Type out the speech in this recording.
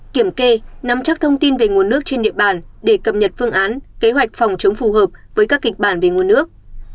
kiểm kê nắm chắc thông tin về nguồn nước trên địa bàn để cập nhật phương án kế hoạch phòng chống phù hợp với các kịch bản về nguồn nước